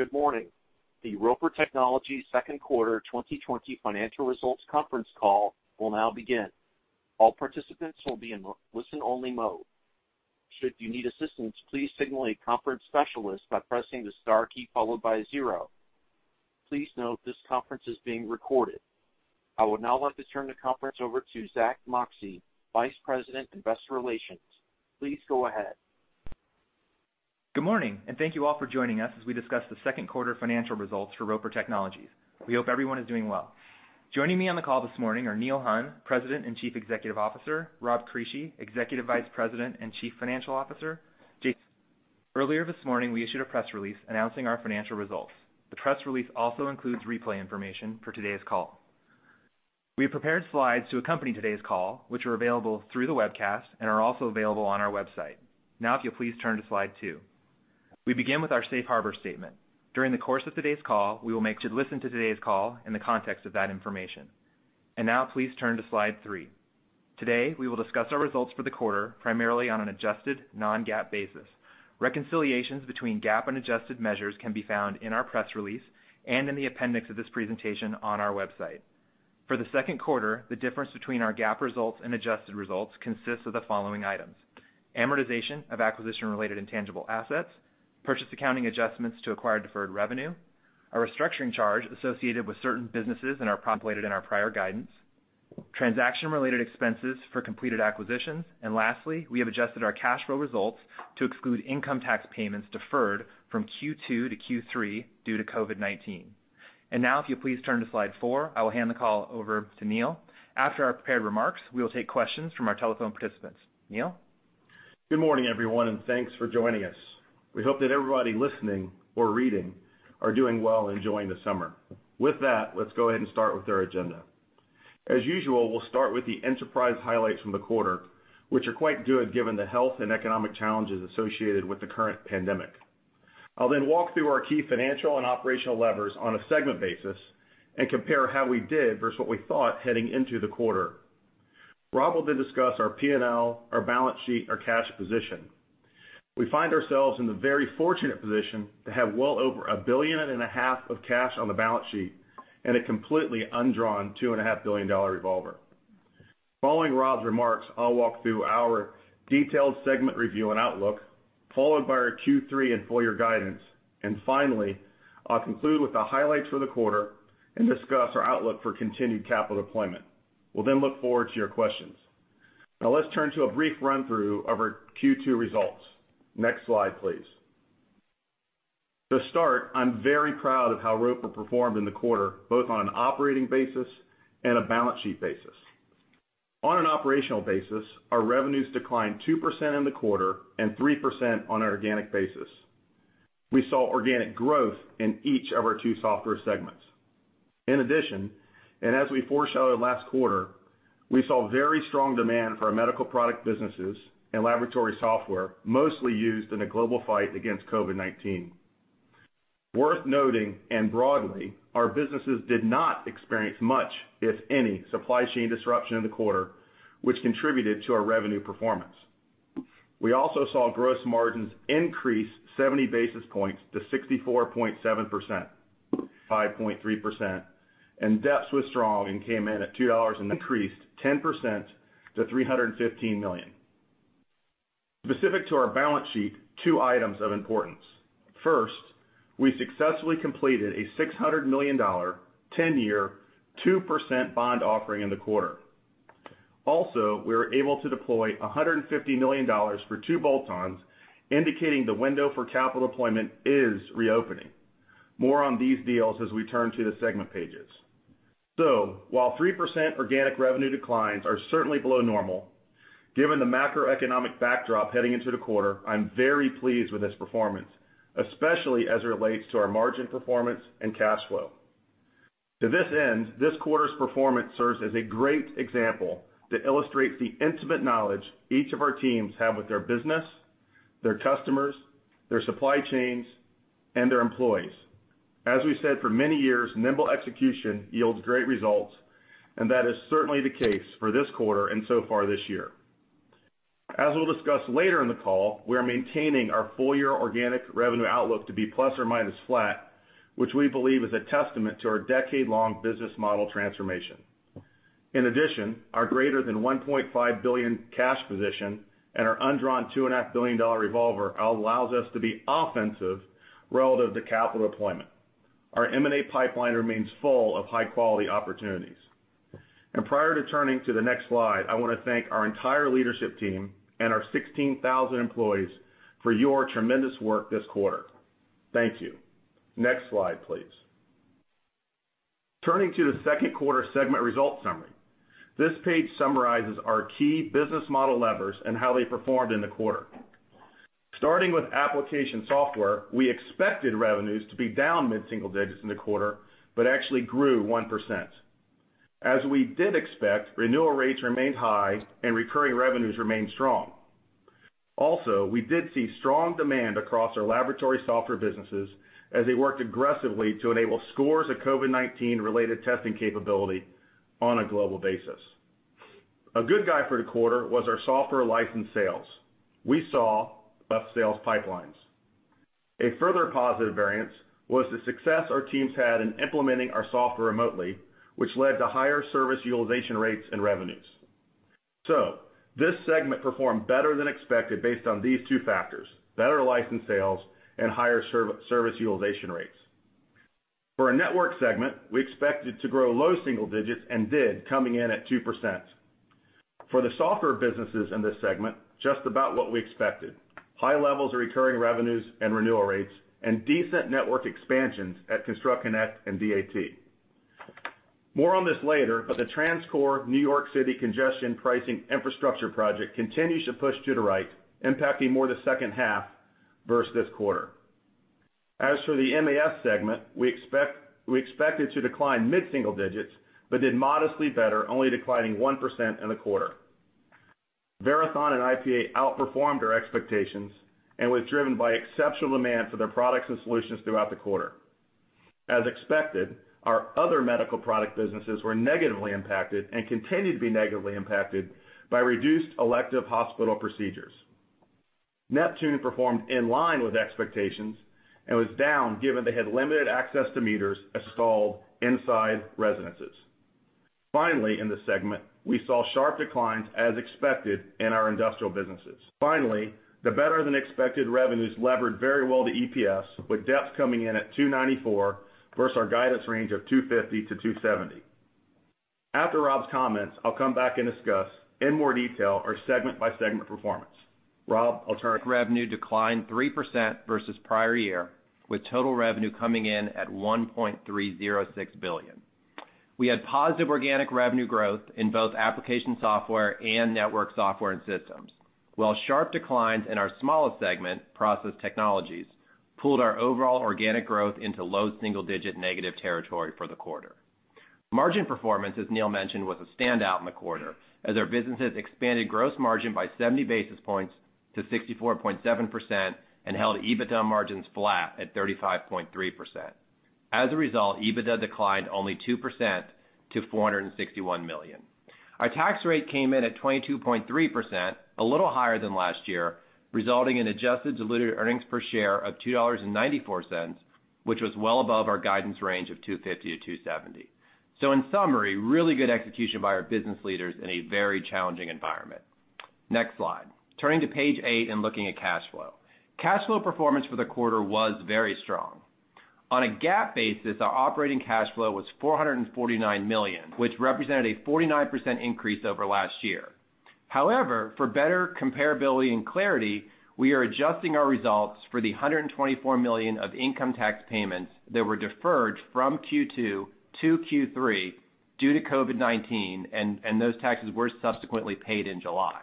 Good morning. The Roper Technologies second quarter 2020 financial results conference call will now begin. All participants will be in listen-only mode. Should you need assistance, please signal a conference specialist by pressing the star key followed by a zero. Please note this conference is being recorded. I would now like to turn the conference over to Zack Moxcey, Vice President of Investor Relations. Please go ahead. Good morning, thank you all for joining us as we discuss the second quarter financial results for Roper Technologies. We hope everyone is doing well. Joining me on the call this morning are Neil Hunn, President and Chief Executive Officer, Rob Crisci, Executive Vice President and Chief Financial Officer, Jason-- Earlier this morning, we issued a press release announcing our financial results. The press release also includes replay information for today's call. We have prepared slides to accompany today's call, which are available through the webcast and are also available on our website. If you'll please turn to slide two. We begin with our safe harbor statement. During the course of today's call, we will make you listen to today's call in the context of that information. Now please turn to slide three. Today, we will discuss our results for the quarter, primarily on an adjusted non-GAAP basis. Reconciliations between GAAP and adjusted measures can be found in our press release and in the appendix of this presentation on our website. For the second quarter, the difference between our GAAP results and adjusted results consists of the following items: amortization of acquisition-related intangible assets, purchase accounting adjustments to acquire deferred revenue, a restructuring charge associated with certain businesses and are populated in our prior guidance, transaction-related expenses for completed acquisitions, and lastly, we have adjusted our cash flow results to exclude income tax payments deferred from Q2-Q3 due to COVID-19. Now, if you'll please turn to slide four, I will hand the call over to Neil. After our prepared remarks, we will take questions from our telephone participants. Neil? Good morning, everyone. Thanks for joining us. We hope that everybody listening or reading are doing well enjoying the summer. With that, let's go ahead and start with our agenda. As usual, we'll start with the enterprise highlights from the quarter, which are quite good given the health and economic challenges associated with the current pandemic. I'll then walk through our key financial and operational levers on a segment basis and compare how we did versus what we thought heading into the quarter. Rob will then discuss our P&L, our balance sheet, our cash position. We find ourselves in the very fortunate position to have well over $1.5 billion of cash on the balance sheet and a completely undrawn $2.5 billion revolver. Following Rob's remarks, I'll walk through our detailed segment review and outlook, followed by our Q3 and full-year guidance. Finally, I'll conclude with the highlights for the quarter and discuss our outlook for continued capital deployment. We'll then look forward to your questions. Now let's turn to a brief run-through of our Q2 results. Next slide, please. To start, I'm very proud of how Roper performed in the quarter, both on an operating basis and a balance sheet basis. On an operational basis, our revenues declined 2% in the quarter and 3% on an organic basis. We saw organic growth in each of our two software segments. In addition, and as we foreshadowed last quarter, we saw very strong demand for our medical product businesses and laboratory software, mostly used in the global fight against COVID-19. Worth noting, and broadly, our businesses did not experience much, if any, supply chain disruption in the quarter, which contributed to our revenue performance. We also saw gross margins increase 70 basis points to 64.7%-- 35.3%, and DEPS was strong and came in at $2 and increased 10% to $315 million. Specific to our balance sheet, two items of importance. First, we successfully completed a $600 million, 10-year, 2% bond offering in the quarter. We were able to deploy $150 million for two bolt-ons, indicating the window for capital deployment is reopening. More on these deals as we turn to the segment pages. While 3% organic revenue declines are certainly below normal, given the macroeconomic backdrop heading into the quarter, I'm very pleased with this performance, especially as it relates to our margin performance and cash flow. To this end, this quarter's performance serves as a great example to illustrate the intimate knowledge each of our teams have with their business, their customers, their supply chains, and their employees. As we said for many years, nimble execution yields great results, and that is certainly the case for this quarter and so far this year. As we'll discuss later in the call, we are maintaining our full-year organic revenue outlook to be plus or minus flat, which we believe is a testament to our decade-long business model transformation. In addition, our greater than $1.5 billion cash position and our undrawn $2.5 billion revolver allows us to be offensive relative to capital deployment. Our M&A pipeline remains full of high-quality opportunities. Prior to turning to the next slide, I want to thank our entire leadership team and our 16,000 employees for your tremendous work this quarter. Thank you. Next slide, please. Turning to the second quarter segment results summary. This page summarizes our key business model levers and how they performed in the quarter. Starting with application software, we expected revenues to be down mid-single digits in the quarter, but actually grew 1%. As we did expect, renewal rates remained high and recurring revenues remained strong. We did see strong demand across our laboratory software businesses as they worked aggressively to enable scores of COVID-19 related testing capability on a global basis. A good guide for the quarter was our software license sales. We saw up sales pipelines. A further positive variance was the success our teams had in implementing our software remotely, which led to higher service utilization rates and revenues. This segment performed better than expected based on these two factors, better license sales and higher service utilization rates. For our network segment, we expected to grow low single digits and did, coming in at 2%. For the software businesses in this segment, just about what we expected. High levels of recurring revenues and renewal rates, decent network expansions at ConstructConnect and DAT. More on this later, the TransCore New York City congestion pricing infrastructure project continues to push to the right, impacting more of the second half versus this quarter. As for the MAS segment, we expected to decline mid-single digits, but did modestly better, only declining 1% in the quarter. Verathon and IPA outperformed our expectations and was driven by exceptional demand for their products and solutions throughout the quarter. As expected, our other medical product businesses were negatively impacted and continue to be negatively impacted by reduced elective hospital procedures. Neptune performed in line with expectations and was down given they had limited access to meters installed inside residences. Finally, in this segment, we saw sharp declines as expected in our industrial businesses. Finally, the better-than-expected revenues levered very well to EPS with DEPS coming in at $2.94 versus our guidance range of $2.50-$2.70. After Rob's comments, I'll come back and discuss in more detail our segment by segment performance. Rob, I'll turn it- Revenue declined 3% versus prior year, with total revenue coming in at $1.306 billion. We had positive organic revenue growth in both application software and network software and systems. While sharp declines in our smallest segment, Process Technologies, pulled our overall organic growth into low single-digit negative territory for the quarter. Margin performance, as Neil mentioned, was a standout in the quarter as our businesses expanded gross margin by 70 basis points to 64.7% and held EBITDA margins flat at 35.3%. As a result, EBITDA declined only 2% to $461 million. Our tax rate came in at 22.3%, a little higher than last year, resulting in adjusted diluted earnings per share of $2.94, which was well above our guidance range of $2.50-$2.70. In summary, really good execution by our business leaders in a very challenging environment. Next slide. Turning to page eight and looking at cash flow. Cash flow performance for the quarter was very strong. On a GAAP basis, our operating cash flow was $449 million, which represented a 49% increase over last year. For better comparability and clarity, we are adjusting our results for the $124 million of income tax payments that were deferred from Q2 to Q3 due to COVID-19, and those taxes were subsequently paid in July.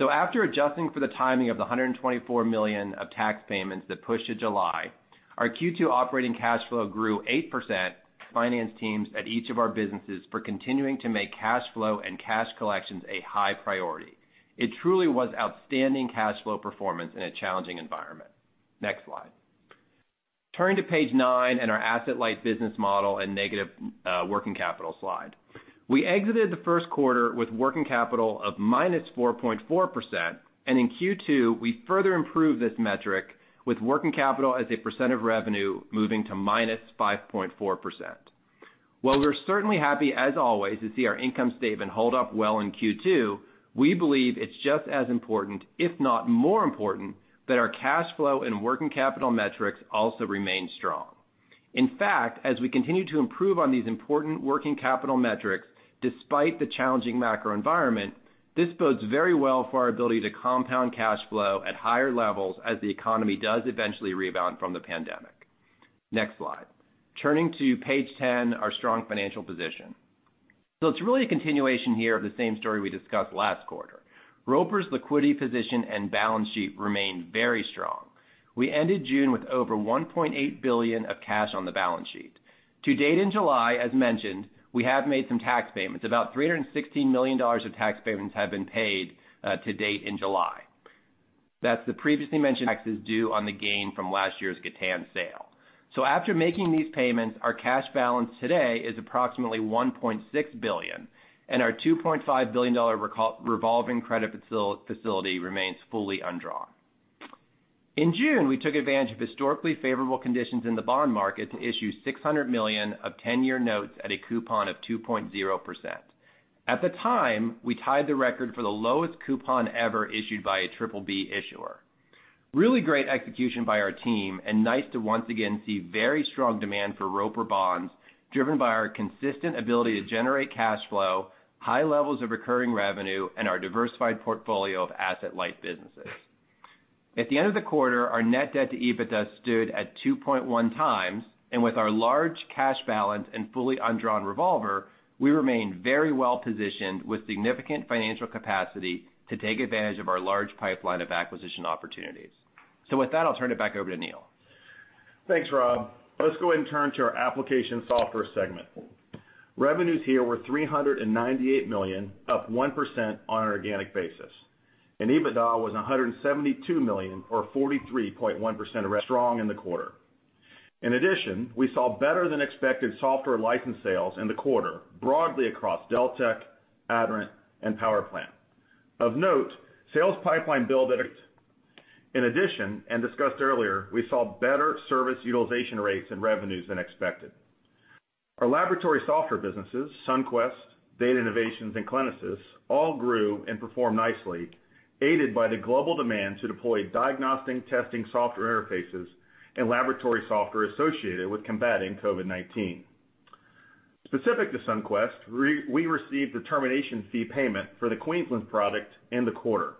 After adjusting for the timing of the $124 million of tax payments that pushed to July, our Q2 operating cash flow grew 8%. Finance teams at each of our businesses are continuing to make cash flow and cash collections a high priority. It truly was outstanding cash flow performance in a challenging environment. Next slide. Turning to page nine and our asset-light business model and negative working capital slide. We exited the first quarter with working capital of -4.4%. In Q2, we further improved this metric with working capital as a percentage of revenue moving to -5.4%. While we're certainly happy as always to see our income statement hold up well in Q2, we believe it's just as important, if not more important, that our cash flow and working capital metrics also remain strong. In fact, as we continue to improve on these important working capital metrics, despite the challenging macro environment, this bodes very well for our ability to compound cash flow at higher levels as the economy does eventually rebound from the pandemic. Next slide. Turning to page 10, our strong financial position. It's really a continuation here of the same story we discussed last quarter. Roper's liquidity position and balance sheet remain very strong. We ended June with over $1.8 billion of cash on the balance sheet. To date in July, as mentioned, we have made some tax payments. About $316 million of tax payments have been paid to date in July. That's the previously mentioned taxes due on the gain from last year's Gatan sale. After making these payments, our cash balance today is approximately $1.6 billion, and our $2.5 billion revolving credit facility remains fully undrawn. In June, we took advantage of historically favorable conditions in the bond market to issue $600 million of 10-year notes at a coupon of 2.0%. At the time, we tied the record for the lowest coupon ever issued by a BBB issuer. Really great execution by our team, and nice to once again see very strong demand for Roper bonds, driven by our consistent ability to generate cash flow, high levels of recurring revenue, and our diversified portfolio of asset-light businesses. At the end of the quarter, our net debt to EBITDA stood at 2.1x, and with our large cash balance and fully undrawn revolver, we remain very well-positioned with significant financial capacity to take advantage of our large pipeline of acquisition opportunities. With that, I'll turn it back over to Neil. Thanks, Rob. Let's go ahead and turn to our application software segment. Revenues here were $398 million, up 1% on an organic basis, and EBITDA was $172 million or 43.1% strong in the quarter. In addition, we saw better than expected software license sales in the quarter, broadly across Deltek, Aderant, and PowerPlan. Of note, sales pipeline build. In addition, and discussed earlier, we saw better service utilization rates and revenues than expected. Our laboratory software businesses, Sunquest, Data Innovations, and CliniSys, all grew and performed nicely, aided by the global demand to deploy diagnostic testing software interfaces and laboratory software associated with combating COVID-19. Specific to Sunquest, we received the termination fee payment for the Queensland project in the quarter.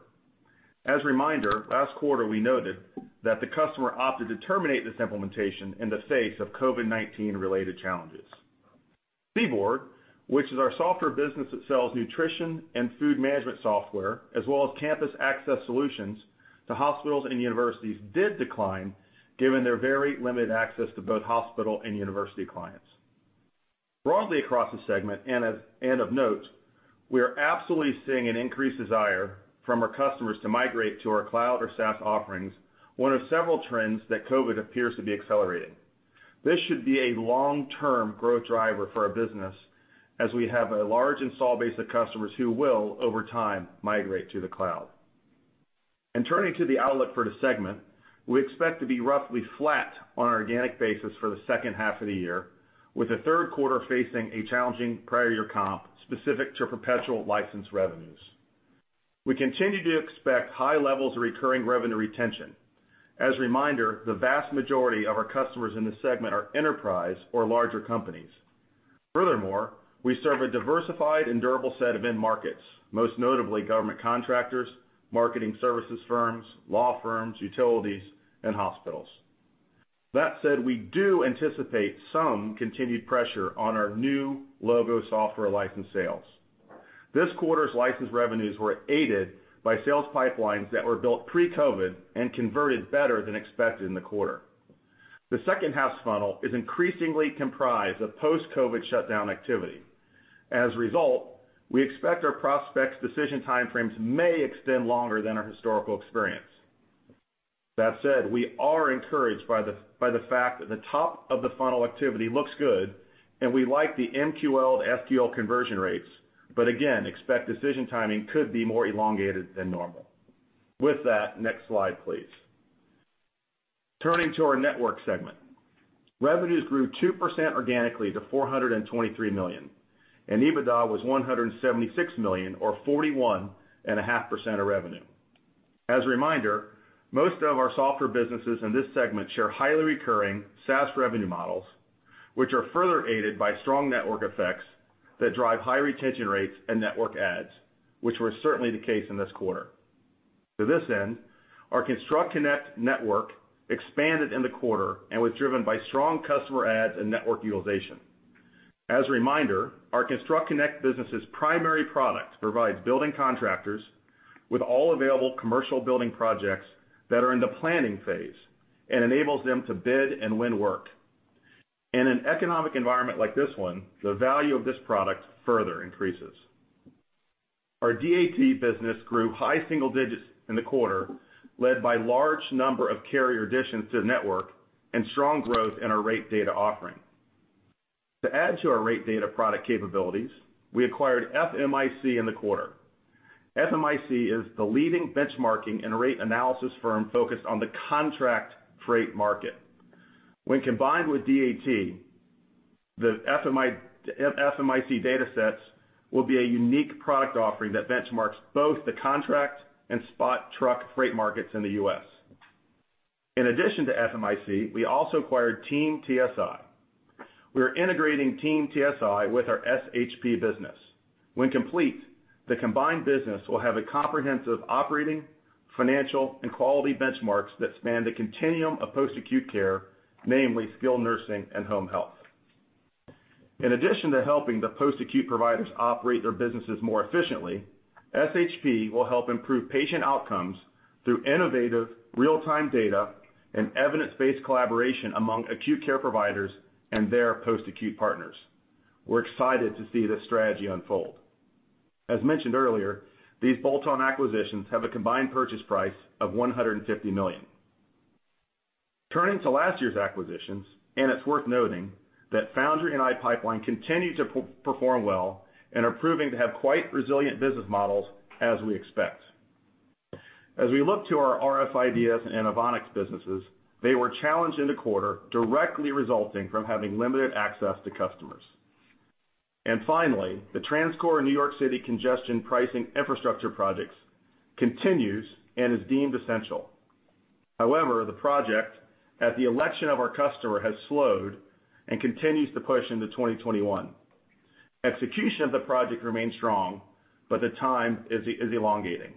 As a reminder, last quarter we noted that the customer opted to terminate this implementation in the face of COVID-19 related challenges. CBORD, which is our software business that sells nutrition and food management software as well as campus access solutions to hospitals and universities, did decline given their very limited access to both hospital and university clients. Broadly across the segment and of note, we are absolutely seeing an increased desire from our customers to migrate to our cloud or SaaS offerings, one of several trends that COVID appears to be accelerating. This should be a long-term growth driver for our business as we have a large installed base of customers who will, over time, migrate to the cloud. In turning to the outlook for the segment, we expect to be roughly flat on an organic basis for the second half of the year, with the third quarter facing a challenging prior year comp specific to perpetual license revenues. We continue to expect high levels of recurring revenue retention. As a reminder, the vast majority of our customers in this segment are enterprise or larger companies. Furthermore, we serve a diversified and durable set of end markets, most notably government contractors, marketing services firms, law firms, utilities, and hospitals. That said, we do anticipate some continued pressure on our new logo software license sales. This quarter's license revenues were aided by sales pipelines that were built pre-COVID-19 and converted better than expected in the quarter. The second half funnel is increasingly comprised of post-COVID-19 shutdown activity. As a result, we expect our prospects' decision time frames may extend longer than our historical experience. That said, we are encouraged by the fact that the top of the funnel activity looks good and we like the MQL to SQL conversion rates, but again, expect decision timing could be more elongated than normal. With that, next slide, please. Turning to our Network segment. Revenues grew 2% organically to $423 million, and EBITDA was $176 million, or 41.5% of revenue. As a reminder, most of our software businesses in this segment share highly recurring SaaS revenue models, which are further aided by strong network effects that drive high retention rates and network adds, which were certainly the case in this quarter. To this end, our ConstructConnect network expanded in the quarter and was driven by strong customer adds and network utilization. As a reminder, our ConstructConnect business' primary product provides building contractors with all available commercial building projects that are in the planning phase and enables them to bid and win work. In an economic environment like this one, the value of this product further increases. Our DAT business grew high single digits in the quarter, led by large number of carrier additions to the network and strong growth in our rate data offering. To add to our rate data product capabilities, we acquired FMIC in the quarter. FMIC is the leading benchmarking and rate analysis firm focused on the contract freight market. When combined with DAT, the FMIC datasets will be a unique product offering that benchmarks both the contract and spot truck freight markets in the U.S. In addition to FMIC, we also acquired Team TSI. We are integrating Team TSI with our SHP business. When complete, the combined business will have a comprehensive operating, financial, and quality benchmarks that span the continuum of post-acute care, namely skilled nursing and home health. In addition to helping the post-acute providers operate their businesses more efficiently, SHP will help improve patient outcomes through innovative real-time data and evidence-based collaboration among acute care providers and their post-acute partners. We're excited to see this strategy unfold. As mentioned earlier, these bolt-on acquisitions have a combined purchase price of $150 million. It's worth noting that Foundry and iPipeline continue to perform well and are proving to have quite resilient business models as we expect. As we look to our rf IDEAS and Inovonics businesses, they were challenged in the quarter directly resulting from having limited access to customers. Finally, the TransCore New York City congestion pricing infrastructure projects continues and is deemed essential. However, the project, at the election of our customer, has slowed and continues to push into 2021. Execution of the project remains strong, but the time is elongating.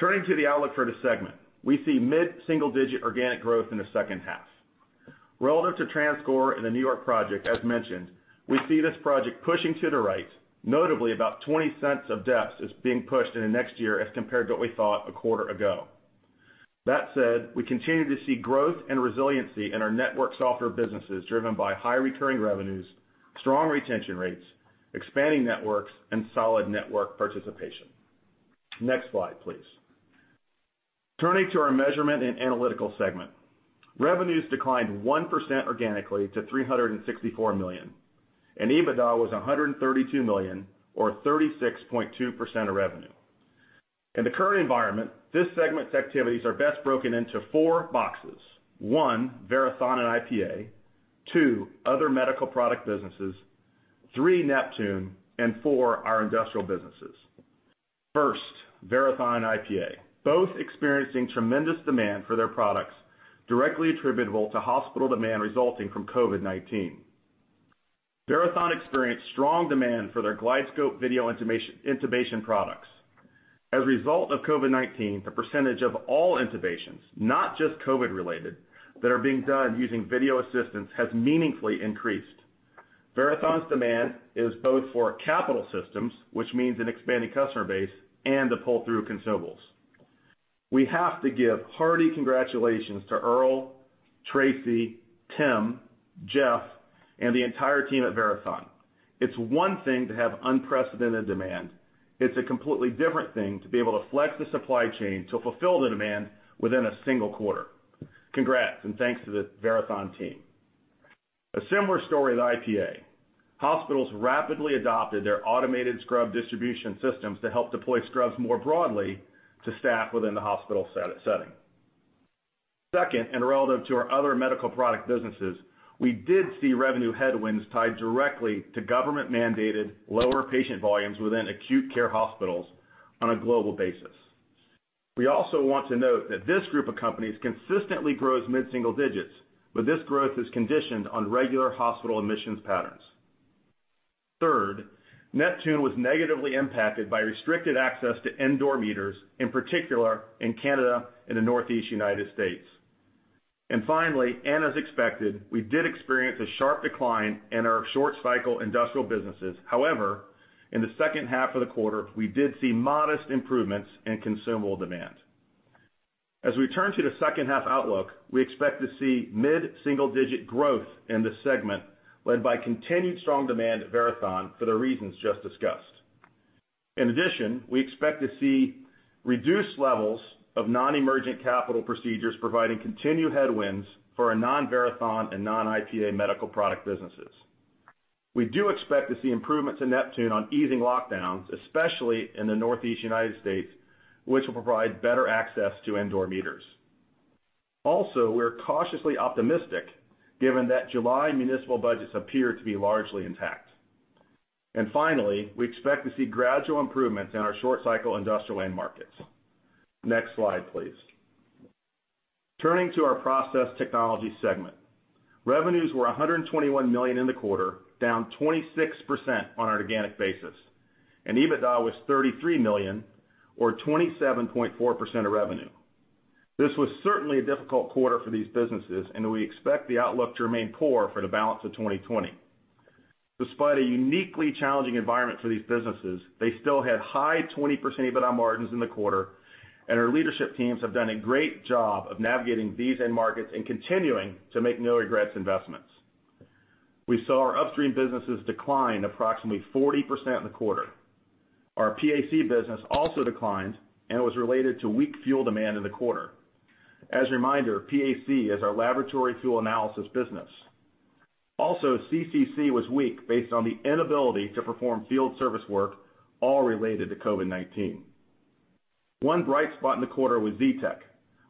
Turning to the outlook for the segment, we see mid-single-digit organic growth in the second half. Relative to TransCore in the New York Project, as mentioned, we see this project pushing to the right, notably about $0.20 of DEPS is being pushed into next year as compared to what we thought a quarter ago. That said, we continue to see growth and resiliency in our network software businesses driven by high recurring revenues, strong retention rates, expanding networks, and solid network participation. Next slide, please. Turning to our Measurement & Analytical Solutions segment. Revenues declined 1% organically to $364 million, and EBITDA was $132 million, or 36.2% of revenue. In the current environment, this segment's activities are best broken into four boxes. One, Verathon and IPA. Two, other medical product businesses. Three, Neptune. And four, our industrial businesses. First, Verathon and IPA, both experiencing tremendous demand for their products directly attributable to hospital demand resulting from COVID-19. Verathon experienced strong demand for their GlideScope video intubation products. As a result of COVID-19, the percentage of all intubations, not just COVID related, that are being done using video assistance has meaningfully increased. Verathon's demand is both for capital systems, which means an expanding customer base, and the pull-through of consumables. We have to give hearty congratulations to Earl, Tracy, Tim, Jeff, and the entire team at Verathon. It's one thing to have unprecedented demand. It's a completely different thing to be able to flex the supply chain to fulfill the demand within a single quarter. Congrats, and thanks to the Verathon team. A similar story with IPA. Hospitals rapidly adopted their automated scrub distribution systems to help deploy scrubs more broadly to staff within the hospital setting. Second, and relative to our other medical product businesses, we did see revenue headwinds tied directly to government-mandated lower patient volumes within acute care hospitals on a global basis. We also want to note that this group of companies consistently grows mid-single digits, but this growth is conditioned on regular hospital admissions patterns. Third, Neptune was negatively impacted by restricted access to indoor meters, in particular in Canada and the Northeast United States. Finally, as expected, we did experience a sharp decline in our short cycle industrial businesses. However, in the second half of the quarter, we did see modest improvements in consumable demand. As we turn to the second half outlook, we expect to see mid-single-digit growth in this segment led by continued strong demand at Verathon for the reasons just discussed. In addition, we expect to see reduced levels of non-emergent capital procedures, providing continued headwinds for our non-Verathon and non-IPA medical product businesses. We do expect to see improvements in Neptune on easing lockdowns, especially in the Northeast U.S., which will provide better access to indoor meters. We're cautiously optimistic given that July municipal budgets appear to be largely intact. Finally, we expect to see gradual improvements in our short cycle industrial end markets. Next slide, please. Turning to our Process Technologies segment. Revenues were $121 million in the quarter, down 26% on an organic basis, and EBITDA was $33 million, or 27.4% of revenue. This was certainly a difficult quarter for these businesses, and we expect the outlook to remain poor for the balance of 2020. Despite a uniquely challenging environment for these businesses, they still had high 20% EBITDA margins in the quarter, and our leadership teams have done a great job of navigating these end markets and continuing to make no-regrets investments. We saw our upstream businesses decline approximately 40% in the quarter. Our PAC business also declined and was related to weak fuel demand in the quarter. As a reminder, PAC is our laboratory fuel analysis business. Also, CCC was weak based on the inability to perform field service work, all related to COVID-19. One bright spot in the quarter was Zetec,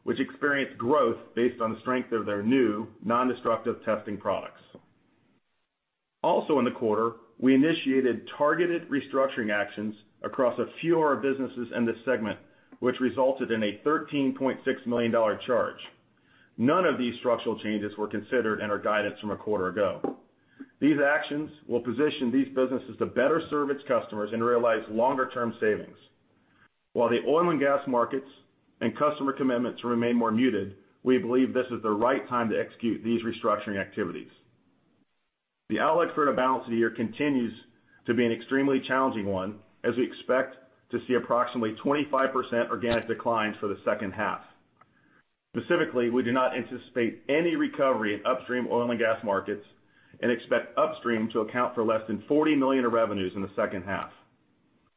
which experienced growth based on the strength of their new non-destructive testing products. Also in the quarter, we initiated targeted restructuring actions across a few of our businesses in this segment, which resulted in a $13.6 million charge. None of these structural changes were considered in our guidance from a quarter ago. These actions will position these businesses to better serve its customers and realize longer-term savings. While the oil and gas markets and customer commitments remain more muted, we believe this is the right time to execute these restructuring activities. The outlook for the balance of the year continues to be an extremely challenging one, as we expect to see approximately 25% organic declines for the second half. Specifically, we do not anticipate any recovery in upstream oil and gas markets and expect upstream to account for less than $40 million of revenues in the second half.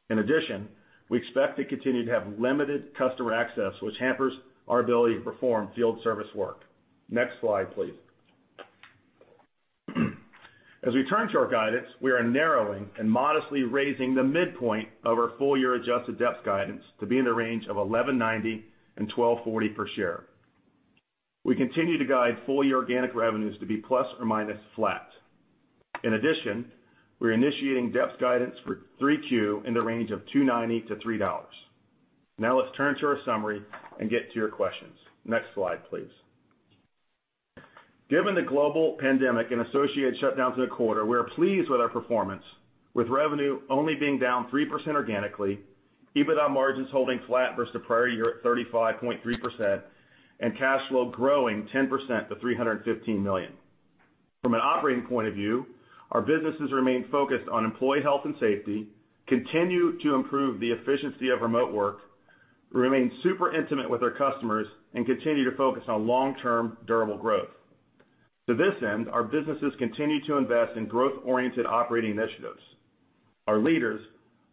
In addition, we expect to continue to have limited customer access, which hampers our ability to perform field service work. Next slide, please. As we turn to our guidance, we are narrowing and modestly raising the midpoint of our full-year adjusted DEPS guidance to be in the range of $11.90-$12.40 per share. We continue to guide full-year organic revenues to be plus or minus flat. In addition, we're initiating DEPS guidance for Q3 in the range of $2.90-$3. Now let's turn to our summary and get to your questions. Next slide, please. Given the global pandemic and associated shutdowns in the quarter, we are pleased with our performance, with revenue only being down 3% organically, EBITDA margins holding flat versus the prior year at 35.3%, and cash flow growing 10% to $315 million. From an operating point of view, our businesses remain focused on employee health and safety, continue to improve the efficiency of remote work, remain super intimate with our customers, and continue to focus on long-term durable growth. To this end, our businesses continue to invest in growth-oriented operating initiatives. Our leaders,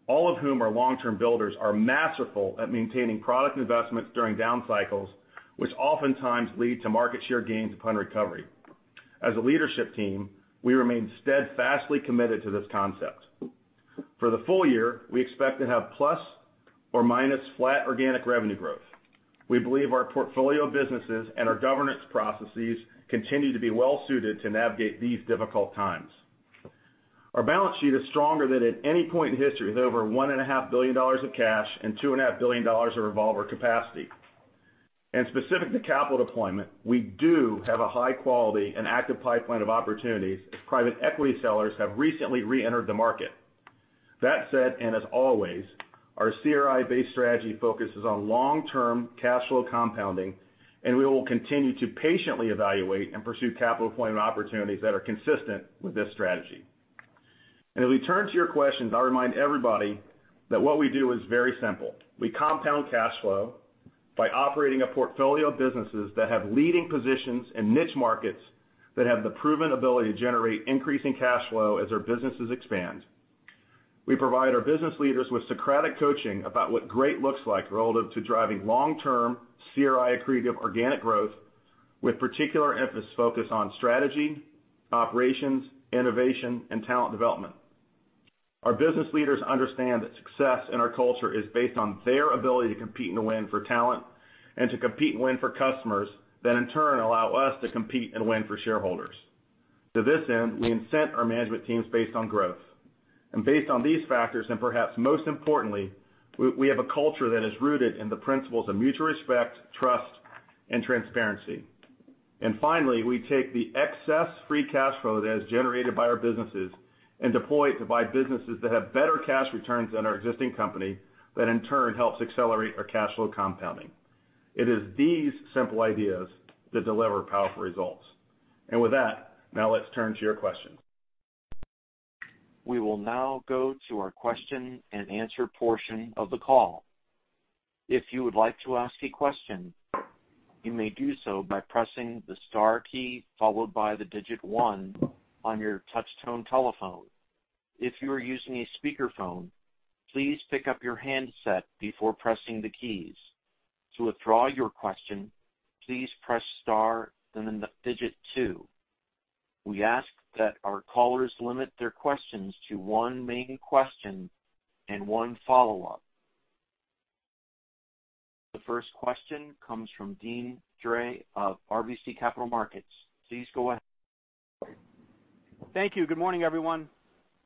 all of whom are long-term builders, are masterful at maintaining product investments during down cycles, which oftentimes lead to market share gains upon recovery. As a leadership team, we remain steadfastly committed to this concept. For the full year, we expect to have plus or minus flat organic revenue growth. We believe our portfolio of businesses and our governance processes continue to be well-suited to navigate these difficult times. Our balance sheet is stronger than at any point in history, with over $1.5 billion of cash and $2.5 billion of revolver capacity. Specific to capital deployment, we do have a high quality and active pipeline of opportunities as private equity sellers have recently re-entered the market. That said, and as always, our CRI-based strategy focuses on long-term cash flow compounding, and we will continue to patiently evaluate and pursue capital deployment opportunities that are consistent with this strategy. As we turn to your questions, I remind everybody that what we do is very simple. We compound cash flow by operating a portfolio of businesses that have leading positions in niche markets that have the proven ability to generate increasing cash flow as our businesses expand. We provide our business leaders with Socratic coaching about what great looks like relative to driving long-term CRI accretive organic growth, with particular emphasis focused on strategy, operations, innovation, and talent development. Our business leaders understand that success in our culture is based on their ability to compete and to win for talent, and to compete and win for customers that, in turn, allow us to compete and win for shareholders. To this end, we incent our management teams based on growth. Based on these factors, and perhaps most importantly, we have a culture that is rooted in the principles of mutual respect, trust, and transparency. Finally, we take the excess free cash flow that is generated by our businesses and deploy it to buy businesses that have better cash returns than our existing company that, in turn, helps accelerate our cash flow compounding. It is these simple ideas that deliver powerful results. With that, now let's turn to your questions. We will now go to our question-and-answer portion of the call. If you would like to ask a question, you may do so by pressing the star key followed by the digit one on your touch-tone telephone. If you are using a speakerphone, please pick up your handset before pressing the keys. To withdraw your question, please press star, then the digit two. We ask that our callers limit their questions to one main question and one follow-up. The first question comes from Deane Dray of RBC Capital Markets. Please go ahead. Thank you. Good morning, everyone.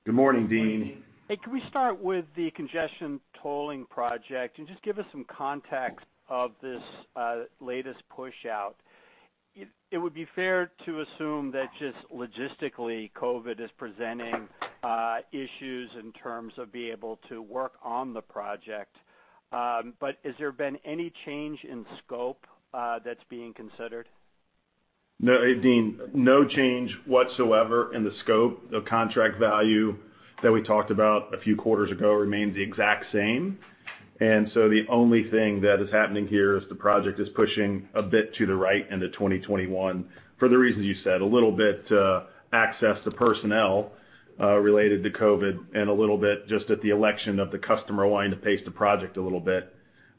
Good morning, Deane. Hey, can we start with the congestion tolling project, and just give us some context of this latest push-out. It would be fair to assume that just logistically, COVID is presenting issues in terms of being able to work on the project. Has there been any change in scope that's being considered? No, Deane. No change whatsoever in the scope. The contract value that we talked about a few quarters ago remains the exact same. The only thing that is happening here is the project is pushing a bit to the right into 2021 for the reasons you said. A little bit access to personnel related to COVID and a little bit just at the election of the customer wanting to pace the project a little bit.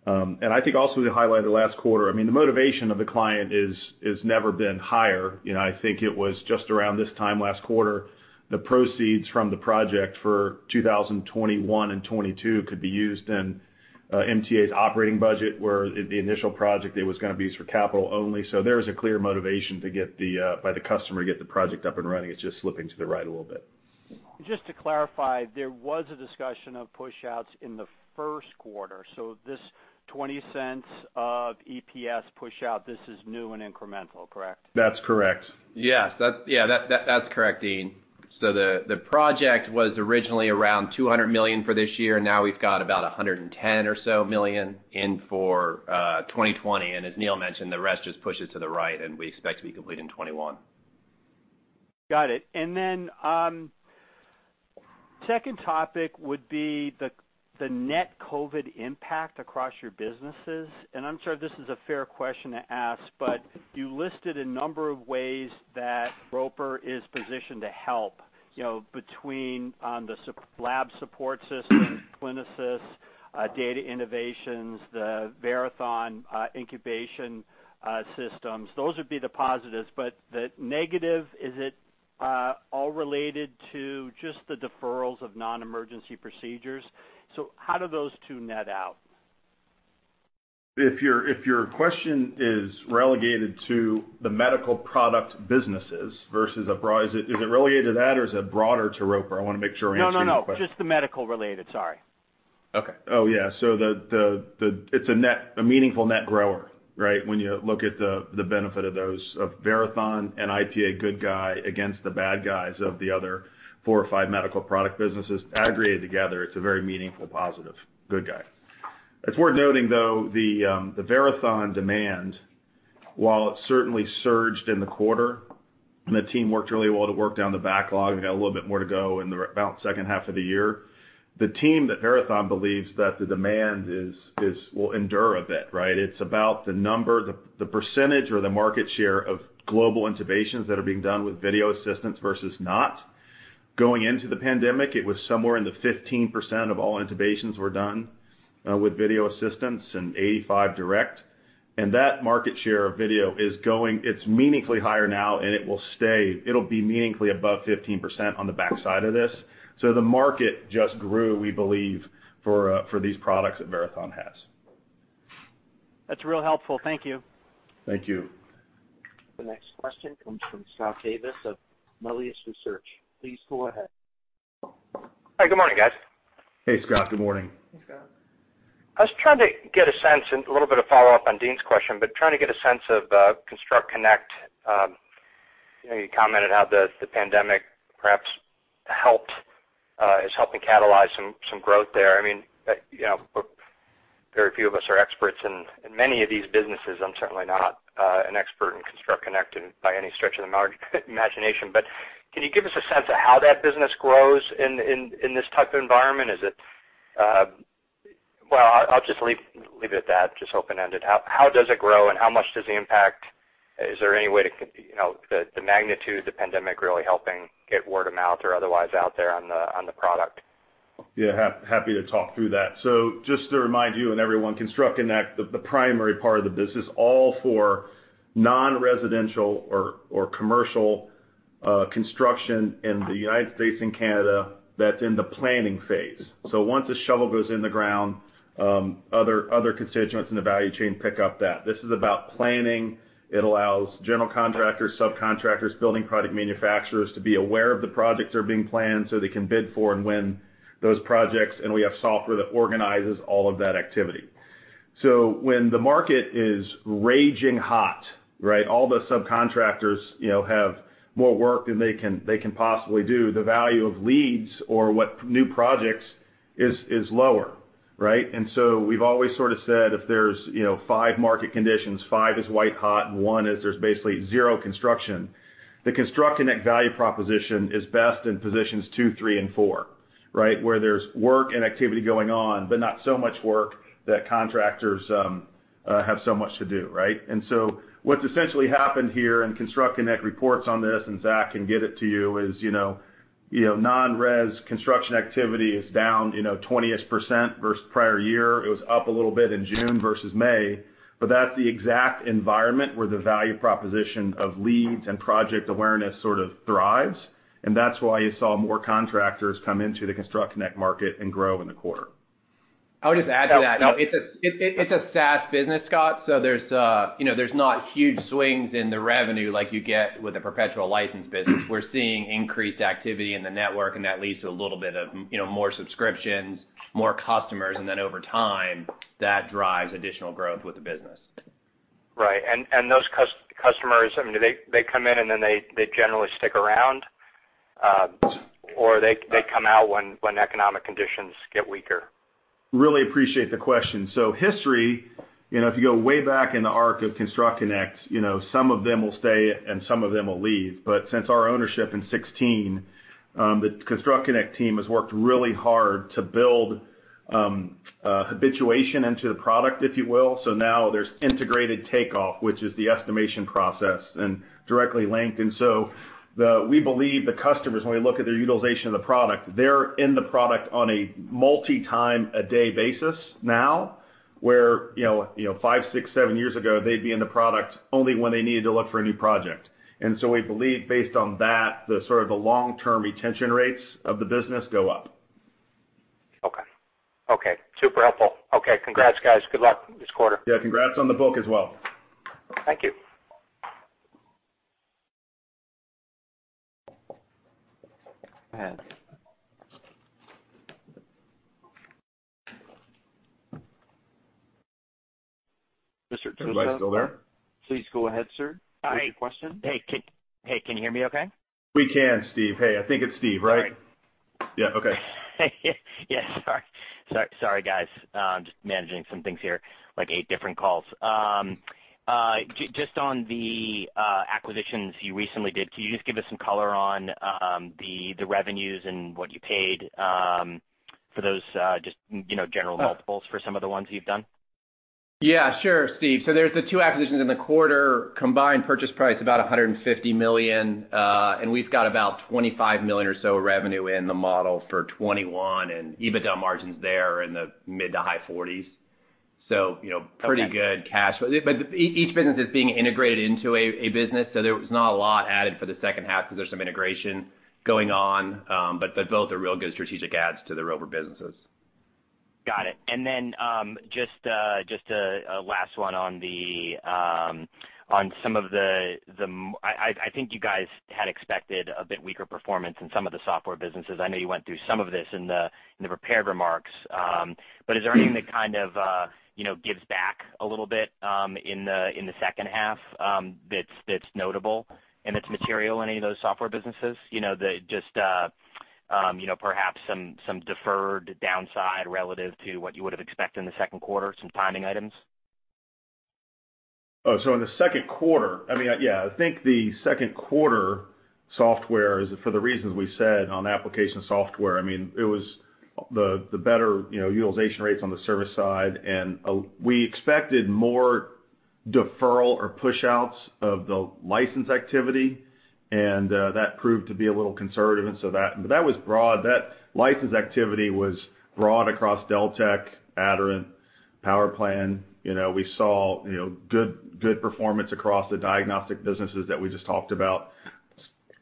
I think also we highlighted last quarter, the motivation of the client has never been higher. I think it was just around this time last quarter, the proceeds from the project for 2021 and 2022 could be used in MTA's operating budget, where the initial project, it was going to be used for capital only. There is a clear motivation by the customer to get the project up and running. It's just slipping to the right a little bit. Just to clarify, there was a discussion of push-outs in the first quarter. This $0.20 of EPS push-out, this is new and incremental, correct? That's correct. Yes. That's correct, Deane. The project was originally around $200 million for this year, and now we've got about $110 or so million in for 2020. As Neil mentioned, the rest just pushes to the right, and we expect to be complete in 2021. Got it. Second topic would be the net COVID impact across your businesses. I'm sure this is a fair question to ask, but you listed a number of ways that Roper is positioned to help, between the lab support systems, CliniSys, Data Innovations, the Verathon Intubation Systems. Those would be the positives. The negative, is it all related to just the deferrals of non-emergency procedures? How do those two net out? If your question is relegated to the medical product businesses versus abroad. Is it related to that, or is it broader to Roper? I want to make sure I answer your question. No. Just the medical related, sorry. Okay. Oh, yeah. It's a meaningful net grower, right? When you look at the benefit of those, of Verathon and IPA good guy against the bad guys of the other four or five medical product businesses aggregated together, it's a very meaningful positive. Good guy. It's worth noting, though, the Verathon demand while it certainly surged in the quarter, and the team worked really well to work down the backlog, we got a little bit more to go in about the second half of the year. The team at Verathon believes that the demand will endure a bit, right? It's about the number, the percentage or the market share of global intubations that are being done with video assistance versus not. Going into the pandemic, it was somewhere in the 15% of all intubations were done with video assistance and 85% direct. That market share of video, it's meaningfully higher now, and it will stay. It'll be meaningfully above 15% on the backside of this. The market just grew, we believe, for these products that Verathon has. That's real helpful. Thank you. Thank you. The next question comes from Scott Davis of Melius Research. Please go ahead. Hi. Good morning, guys. Hey, Scott. Good morning. Hey, Scott. I was trying to get a sense, and a little bit of follow-up on Deane's question, trying to get a sense of ConstructConnect. You commented how the pandemic perhaps is helping catalyze some growth there. Very few of us are experts in many of these businesses. I'm certainly not an expert in ConstructConnect by any stretch of the imagination. Can you give us a sense of how that business grows in this type of environment? Well, I'll just leave it at that, just open-ended. How does it grow and how much does it impact? Is there any way the magnitude of the pandemic really helping get word of mouth or otherwise out there on the product? Yeah, happy to talk through that. Just to remind you and everyone, ConstructConnect, the primary part of the business, all for non-residential or commercial construction in the United States and Canada, that's in the planning phase. Once a shovel goes in the ground, other constituents in the value chain pick up that. This is about planning. It allows general contractors, subcontractors, building product manufacturers to be aware of the projects that are being planned so they can bid for and win those projects. We have software that organizes all of that activity. When the market is raging hot, right, all the subcontractors have more work than they can possibly do. The value of leads or what new projects is lower, right? We've always sort of said, if there's five market conditions, five is white hot and one is there's basically zero construction. The ConstructConnect value proposition is best in positions two, three, and four, right? Where there's work and activity going on, but not so much work that contractors have so much to do, right? What's essentially happened here, and ConstructConnect reports on this, and Zack can get it to you, is non-res construction activity is down 20-ish% versus prior year. It was up a little bit in June versus May, but that's the exact environment where the value proposition of leads and project awareness sort of thrives, and that's why you saw more contractors come into the ConstructConnect market and grow in the quarter. I would just add to that. It's a SaaS business, Scott, so there's not huge swings in the revenue like you get with a perpetual license business. We're seeing increased activity in the network, and that leads to a little bit of more subscriptions, more customers, and then over time, that drives additional growth with the business. Right. Those customers, do they come in and then they generally stick around, or they come out when economic conditions get weaker? Really appreciate the question. History, if you go way back in the arc of ConstructConnect, some of them will stay and some of them will leave. Since our ownership in 2016, the ConstructConnect team has worked really hard to build habituation into the product, if you will. Now there's integrated takeoff, which is the estimation process, and directly linked. We believe the customers, when we look at their utilization of the product, they're in the product on a multi-time a day basis now, where five, six, seven years ago, they'd be in the product only when they needed to look for a new project. We believe based on that, the sort of the long-term retention rates of the business go up. Okay. Super helpful. Okay. Congrats, guys. Good luck this quarter. Yeah, congrats on the book as well. Thank you. Go ahead. Mr. Tusa. Everybody still there? Please go ahead, sir. Hi. With your question. Hey. Can you hear me okay? We can, Steve. Hey, I think it's Steve, right? Sorry. Yeah. Okay. Yeah, sorry. Sorry, guys. Just managing some things here, like eight different calls. Just on the acquisitions you recently did, can you just give us some color on the revenues and what you paid for those, just general multiples for some of the ones you've done? Yeah, sure, Steve. There's the two acquisitions in the quarter. Combined purchase price, about $150 million. We've got about $25 million or so of revenue in the model for 2021, and EBITDA margins there are in the mid-to-high 40%. Pretty good cash. Okay. Each business is being integrated into a business, so there was not a lot added for the second half because there's some integration going on. Both are real good strategic adds to the Roper businesses. Got it. Just a last one on some of the I think you guys had expected a bit weaker performance in some of the software businesses. I know you went through some of this in the prepared remarks. Is there anything that kind of gives back a little bit in the second half that's notable and that's material in any of those software businesses? Just perhaps some deferred downside relative to what you would've expected in the second quarter, some timing items? In the second quarter, I think the second quarter software is, for the reasons we said on application software, it was the better utilization rates on the service side, and we expected more deferral or push-outs of the license activity, and that proved to be a little conservative. That was broad. That license activity was broad across Deltek, Aderant, PowerPlan. We saw good performance across the diagnostic businesses that we just talked about.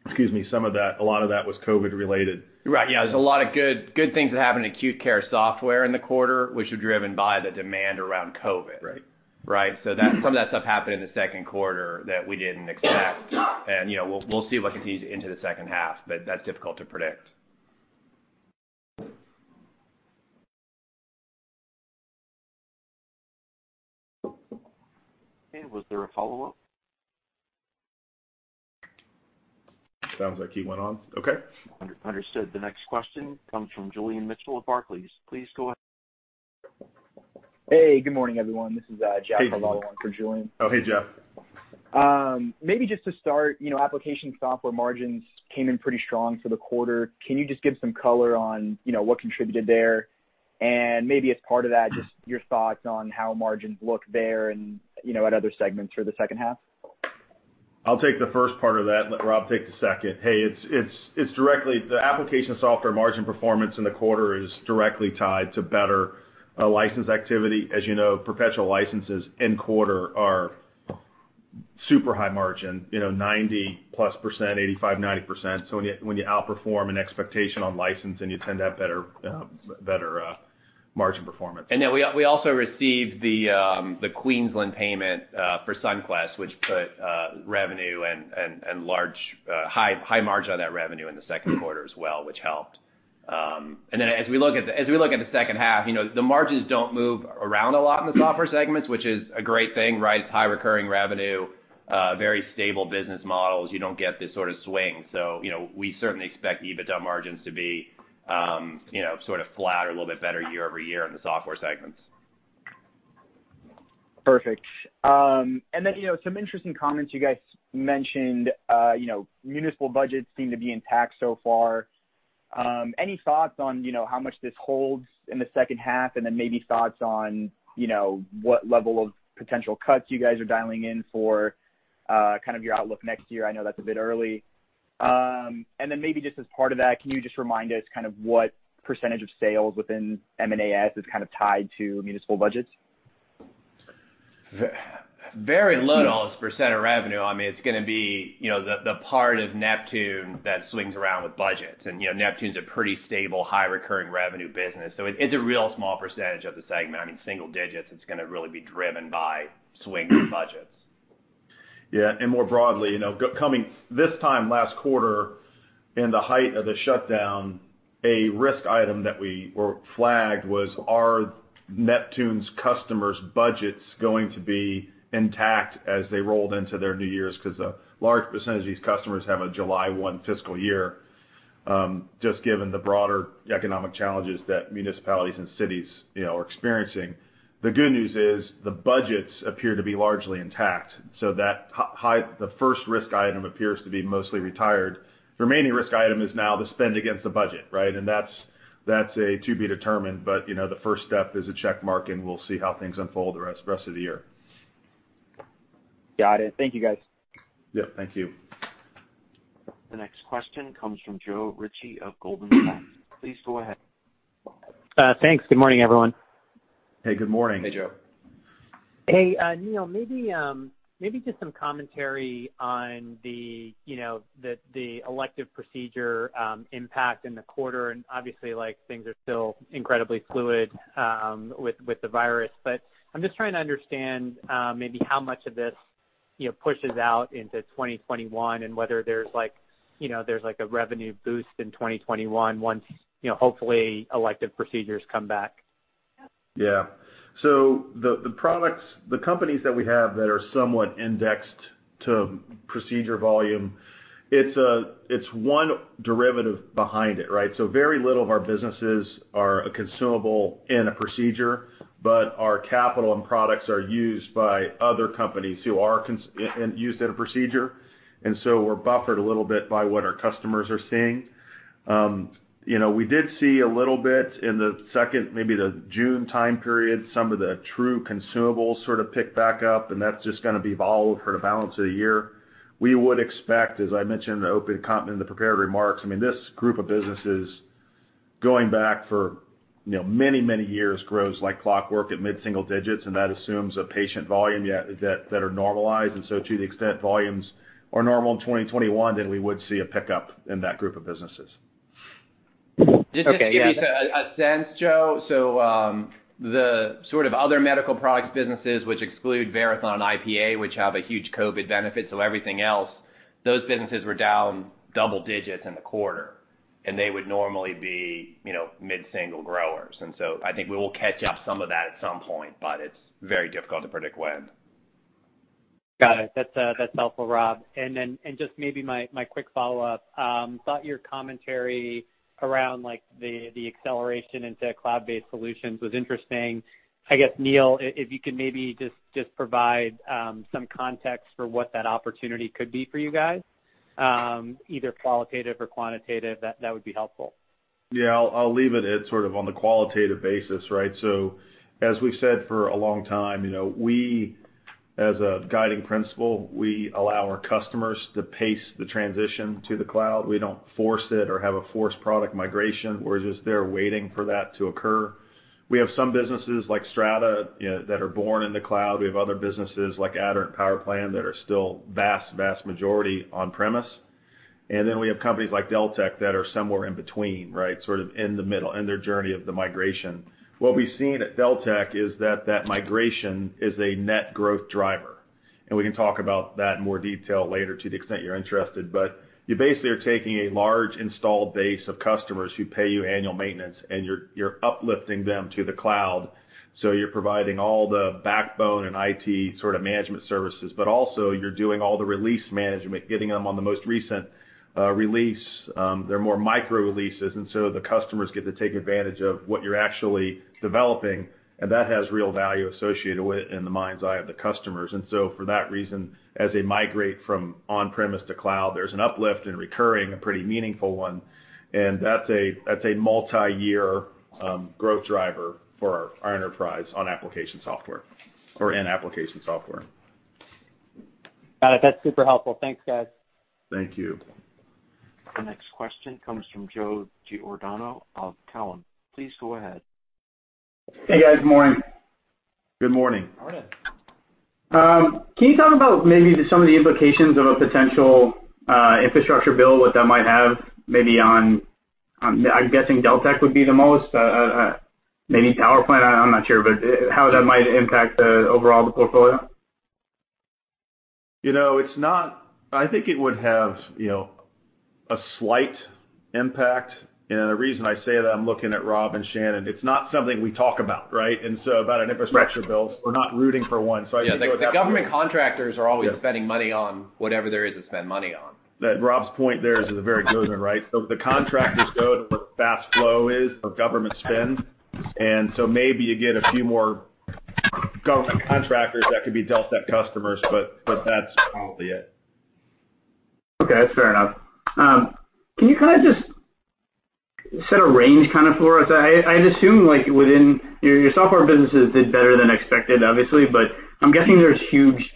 Excuse me. A lot of that was COVID related. Right. Yeah. There's a lot of good things that happened in acute care software in the quarter, which were driven by the demand around COVID. Right. Right. Some of that stuff happened in the second quarter that we didn't expect, and we'll see what continues into the second half, but that's difficult to predict. Okay. Was there a follow-up? Sounds like he went on. Okay. Understood. The next question comes from Julian Mitchell of Barclays. Please go ahead. Hey, good morning, everyone. This is Joao Carvalho- Hey, Joao. on for Julian. Oh, hey, Joao. Maybe just to start, application software margins came in pretty strong for the quarter. Can you just give some color on what contributed there? Maybe as part of that, just your thoughts on how margins look there and at other segments through the second half? I'll take the first part of that and let Rob take the second. Hey, the application software margin performance in the quarter is directly tied to better license activity. As you know, perpetual licenses end quarter are super high margin, 90+%, 85%, 90%. When you outperform an expectation on licensing, you tend to have better margin performance. We also received the Queensland payment for Sunquest, which put high margin on that revenue in the second quarter as well, which helped. As we look at the second half, the margins don't move around a lot in the software segments, which is a great thing, right? It's high recurring revenue, very stable business models. You don't get this sort of swing. We certainly expect EBITDA margins to be sort of flat or a little bit better year-over-year in the software segments. Perfect. Some interesting comments you guys mentioned. Municipal budgets seem to be intact so far. Any thoughts on how much this holds in the second half? Maybe thoughts on what level of potential cuts you guys are dialing in for kind of your outlook next year? I know that's a bit early. Maybe just as part of that, can you just remind us kind of what percentage of sales within M&AS is kind of tied to municipal budgets? Very low percentage of revenue. It's going to be the part of Neptune that swings around with budgets, and Neptune's a pretty stable, high recurring revenue business. It's a real small percentage of the segment. I mean, single digits that's going to really be driven by swing budgets. Yeah. More broadly, coming this time last quarter in the height of the shutdown, a risk item that we flagged was, are Neptune's customers' budgets going to be intact as they rolled into their new years? Because a large percentage of these customers have a July 1 fiscal year, just given the broader economic challenges that municipalities and cities are experiencing. The good news is the budgets appear to be largely intact, so the first risk item appears to be mostly retired. The remaining risk item is now the spend against the budget, right? That's a to be determined, but the first step is a check mark, and we'll see how things unfold the rest of the year. Got it. Thank you, guys. Yeah, thank you. The next question comes from Joe Ritchie of Goldman Sachs. Please go ahead. Thanks. Good morning, everyone. Hey, good morning. Hey, Joe. Hey, Neil, maybe just some commentary on the elective procedure impact in the quarter. Obviously, things are still incredibly fluid with COVID-19, but I'm just trying to understand maybe how much of this pushes out into 2021 and whether there's a revenue boost in 2021 once hopefully elective procedures come back. The companies that we have that are somewhat indexed to procedure volume, it's one derivative behind it, right? Very little of our businesses are a consumable in a procedure, but our capital and products are used by other companies and used in a procedure. We're buffered a little bit by what our customers are seeing. We did see a little bit in the second, maybe the June time period, some of the true consumables sort of pick back up, and that's just going to evolve for the balance of the year. We would expect, as I mentioned in the prepared remarks, this group of businesses going back for many, many years grows like clockwork at mid-single digits, and that assumes a patient volume that are normalized. To the extent volumes are normal in 2021, then we would see a pickup in that group of businesses. Just to give you a sense, Joe, so the sort of other medical products businesses, which exclude Verathon and IPA, which have a huge COVID benefit to everything else, those businesses were down double digits in the quarter, and they would normally be mid-single growers. I think we will catch up some of that at some point, but it's very difficult to predict when. Got it. That's helpful, Rob. Just maybe my quick follow-up. I thought your commentary around the acceleration into cloud-based solutions was interesting. I guess, Neil, if you could maybe just provide some context for what that opportunity could be for you guys, either qualitative or quantitative, that would be helpful. Yeah. I'll leave it at sort of on the qualitative basis, right? As we've said for a long time, as a guiding principle, we allow our customers to pace the transition to the cloud. We don't force it or have a forced product migration. We're just there waiting for that to occur. We have some businesses like Strata that are born in the cloud. We have other businesses like Aderant and PowerPlan that are still vast majority on-premise. We have companies like Deltek that are somewhere in between, right? Sort of in the middle in their journey of the migration. What we've seen at Deltek is that that migration is a net growth driver. We can talk about that in more detail later to the extent you're interested. You basically are taking a large installed base of customers who pay you annual maintenance, and you're uplifting them to the cloud. You're providing all the backbone and IT sort of management services. Also, you're doing all the release management, getting them on the most recent release. They're more micro releases. The customers get to take advantage of what you're actually developing, and that has real value associated with it in the mind's eye of the customers. For that reason, as they migrate from on-premise to cloud, there's an uplift in recurring, a pretty meaningful one. That's a multi-year growth driver for our enterprise on application software or in application software. Got it. That's super helpful. Thanks, guys. Thank you. The next question comes from Joe Giordano of Cowen. Please go ahead. Hey, guys. Morning. Good morning. Morning. Can you talk about maybe some of the implications of a potential infrastructure bill, what that might have maybe on, I'm guessing Deltek would be the most, maybe PowerPlan, I'm not sure, but how that might impact overall the portfolio? I think it would have a slight impact. The reason I say that, I'm looking at Rob and Shannon, it's not something we talk about, right? About an infrastructure bill, we're not rooting for one. Yeah. The government contractors are always spending money on whatever there is to spend money on. Rob's point there is a very good one, right? The contractors go to where fast flow is of government spend, maybe you get a few more government contractors that could be Deltek customers, but that's probably it. Okay. That's fair enough. Can you kind of just set a range kind of for us? I'd assume your software businesses did better than expected, obviously, but I'm guessing there's huge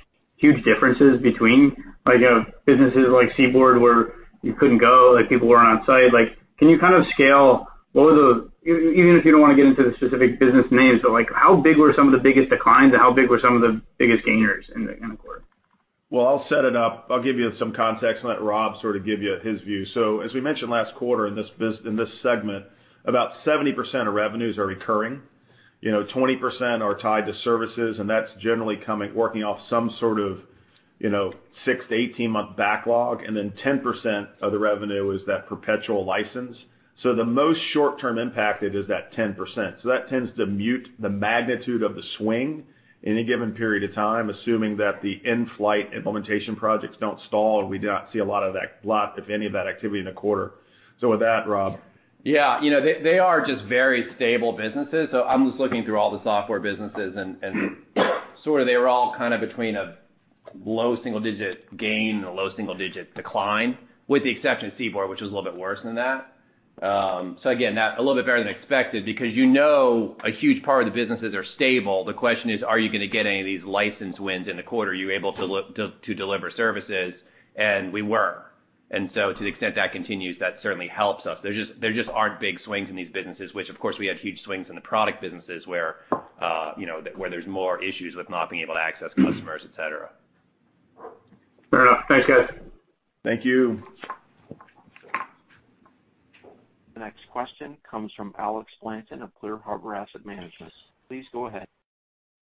differences between businesses like CBORD, where you couldn't go, people weren't on site. Can you kind of scale, even if you don't want to get into the specific business names, but how big were some of the biggest declines, and how big were some of the biggest gainers in the quarter? I'll set it up. I'll give you some context and let Rob sort of give you his view. As we mentioned last quarter in this segment, about 70% of revenues are recurring. 20% are tied to services, and that's generally working off some sort of 6-18-month backlog, and then 10% of the revenue is that perpetual license. The most short-term impacted is that 10%. That tends to mute the magnitude of the swing any given period of time, assuming that the in-flight implementation projects don't stall, and we do not see a lot, if any, of that activity in the quarter. With that, Rob? Yeah. They are just very stable businesses. I'm just looking through all the software businesses and sort of they were all kind of between a low single-digit gain and a low single-digit decline, with the exception of CBORD, which was a little bit worse than that. Again, a little bit better than expected because you know a huge part of the businesses are stable. The question is, are you going to get any of these license wins in the quarter? Are you able to deliver services? We were. To the extent that continues, that certainly helps us. There just aren't big swings in these businesses, which of course, we had huge swings in the product businesses where there's more issues with not being able to access customers, etc. Fair enough. Thanks, guys. Thank you. The next question comes from Alex Blanton of Clear Harbor Asset Management. Please go ahead.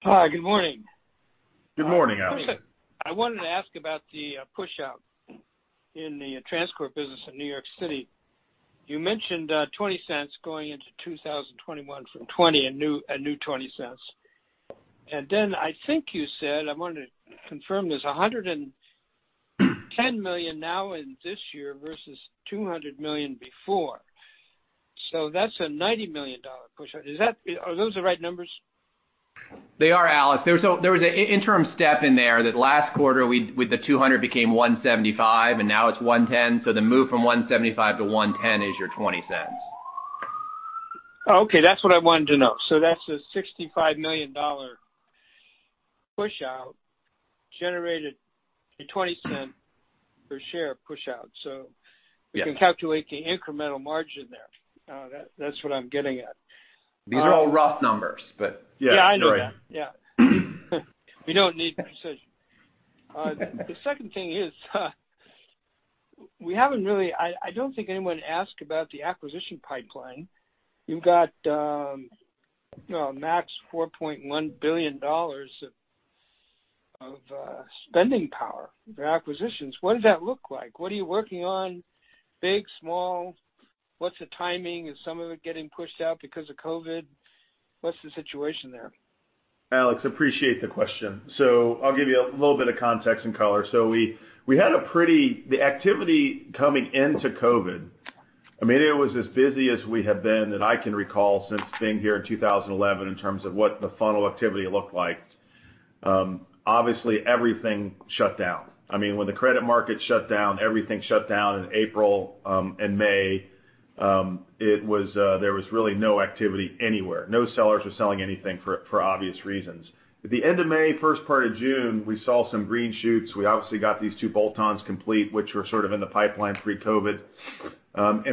Hi. Good morning. Good morning, Alex. I wanted to ask about the push-out in the TransCore business in New York City. You mentioned $0.20 going into 2021 from 2020, a new $0.20. I think you said, I wanted to confirm this, $110 million now in this year versus $200 million before. That's a $90 million push-out. Are those the right numbers? They are, Alex. There was an interim step in there that last quarter with the $200 became $175, and now it's $110. The move from $175-$110 is your $0.20. Okay. That's what I wanted to know. That's a $65 million push-out, generated a $0.20 per share push out. Yeah. We can calculate the incremental margin there. That's what I'm getting at. These are all rough numbers. Yeah. Yeah, I know that. Yeah. We don't need precision. The second thing is, I don't think anyone asked about the acquisition pipeline. You've got a max $4.1 billion of spending power for acquisitions. What does that look like? What are you working on? Big, small? What's the timing? Is some of it getting pushed out because of COVID-19? What's the situation there? Alex, appreciate the question. I'll give you a little bit of context and color. We had a pretty The activity coming into COVID-19, I mean, it was as busy as we have been, that I can recall, since being here in 2011 in terms of what the funnel activity looked like. Obviously, everything shut down. When the credit market shut down, everything shut down in April and May. There was really no activity anywhere. No sellers were selling anything, for obvious reasons. At the end of May, first part of June, we saw some green shoots. We obviously got these two bolt-ons complete, which were sort of in the pipeline pre-COVID-19.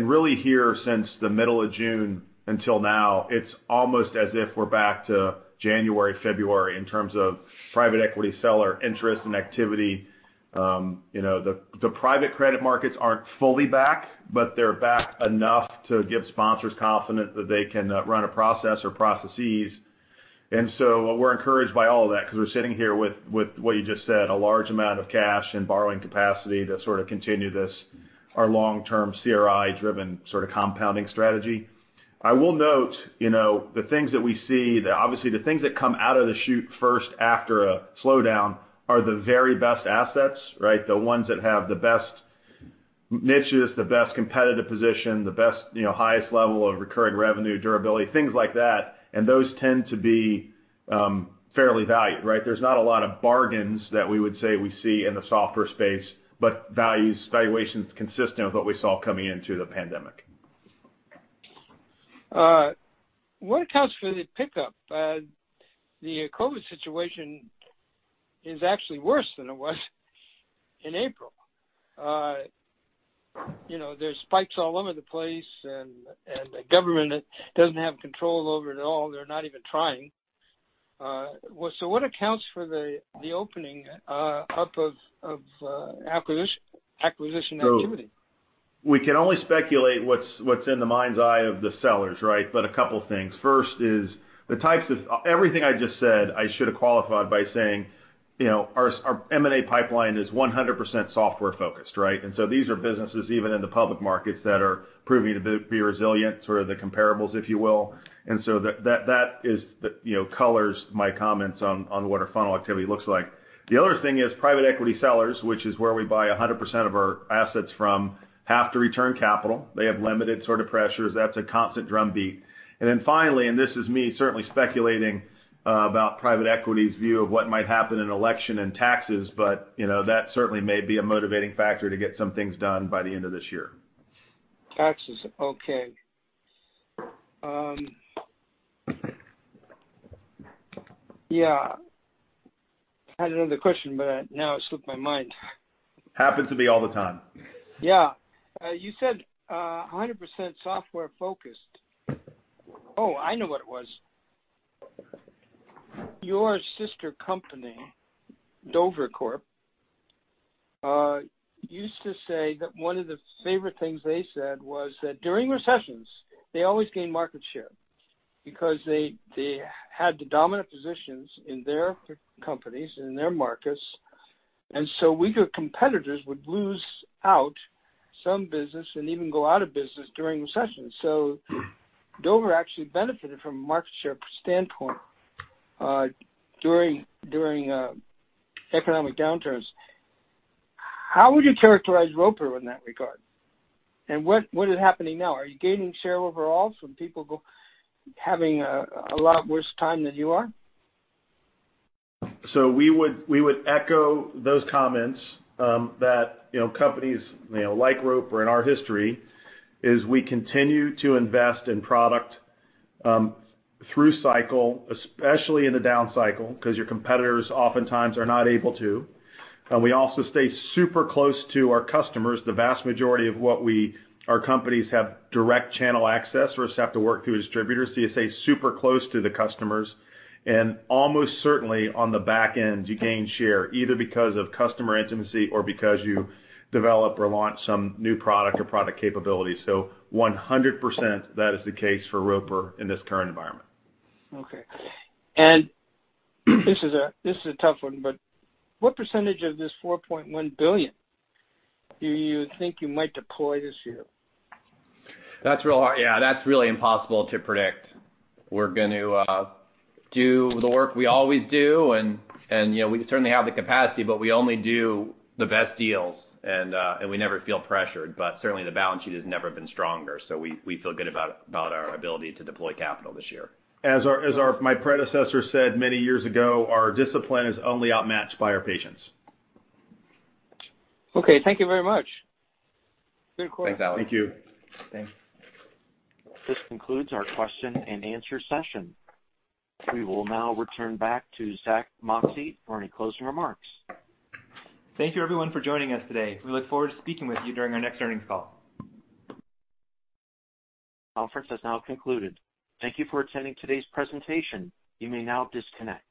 Really here, since the middle of June until now, it's almost as if we're back to January, February, in terms of private equity seller interest and activity. The private credit markets aren't fully back, but they're back enough to give sponsors confidence that they can run a process or processes. We're encouraged by all of that because we're sitting here with what you just said, a large amount of cash and borrowing capacity to sort of continue this, our long-term CRI-driven sort of compounding strategy. I will note, the things that we see, obviously the things that come out of the chute first after a slowdown are the very best assets, right? The ones that have the best niches, the best competitive position, the best highest level of recurring revenue, durability, things like that. Those tend to be fairly valued, right? There's not a lot of bargains that we would say we see in the software space, but valuations consistent with what we saw coming into the pandemic. What accounts for the pickup? The COVID situation is actually worse than it was in April. There's spikes all over the place. The government doesn't have control over it at all. They're not even trying. What accounts for the opening up of acquisition activity? We can only speculate what's in the mind's eye of the sellers, right? A couple things. First is, the types of Everything I just said, I should have qualified by saying, our M&A pipeline is 100% software focused, right? These are businesses, even in the public markets, that are proving to be resilient, sort of the comparables, if you will. That colors my comments on what our funnel activity looks like. The other thing is private equity sellers, which is where we buy 100% of our assets from, have to return capital. They have limited sort of pressures. That's a constant drumbeat. Finally, and this is me certainly speculating about private equity's view of what might happen in election and taxes, that certainly may be a motivating factor to get some things done by the end of this year. Taxes. Okay. Yeah. Had another question, but now it slipped my mind. Happens to me all the time. Yeah. You said 100% software focused. Oh, I know what it was. Your sister company, Dover Corp, used to say that one of the favorite things they said was that during recessions, they always gained market share because they had the dominant positions in their companies, in their markets. Weaker competitors would lose out some business and even go out of business during recessions. Dover actually benefited from a market share standpoint during economic downturns. How would you characterize Roper in that regard? What is happening now? Are you gaining share overall from people having a lot worse time than you are? We would echo those comments, that companies like Roper in our history, is we continue to invest in product through cycle, especially in a down cycle, because your competitors oftentimes are not able to. We also stay super close to our customers. The vast majority of our companies have direct channel access versus have to work through distributors. You stay super close to the customers. Almost certainly, on the back end, you gain share, either because of customer intimacy or because you develop or launch some new product or product capability. 100%, that is the case for Roper in this current environment. Okay. This is a tough one, but what percentage of this $4.1 billion do you think you might deploy this year? That's real hard. Yeah, that's really impossible to predict. We're going to do the work we always do, and we certainly have the capacity, but we only do the best deals, and we never feel pressured. Certainly, the balance sheet has never been stronger, so we feel good about our ability to deploy capital this year. As my predecessor said many years ago, our discipline is only outmatched by our patience. Okay. Thank you very much. Good call. Thanks, Alex. Thank you. Thanks. This concludes our question and answer session. We will now return back to Zack Moxcey for any closing remarks. Thank you everyone for joining us today. We look forward to speaking with you during our next earnings call. Conference has now concluded. Thank you for attending today's presentation. You may now disconnect.